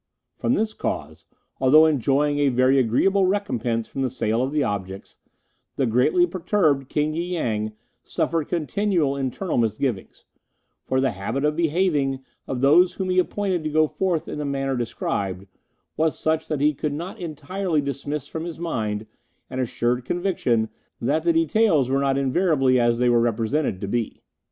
From this cause, although enjoying a very agreeable recompense from the sale of the objects, the greatly perturbed King y Yang suffered continual internal misgivings; for the habit of behaving of those whom he appointed to go forth in the manner described was such that he could not entirely dismiss from his mind an assured conviction that the details were not invariably as they were represented to be.